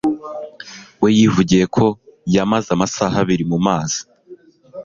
we yivugiye ko yamaze amasaha abiri mu mazi